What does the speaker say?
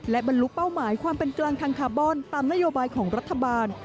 และบรรลุเป้าหมายความเป็นกลางทางคาร์บอนตามนโยบายของรัฐบาล